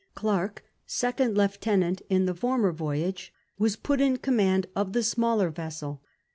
Clerko, second lieutenant in tlui former voyage, wjis put in com mand of the siniillor vessel.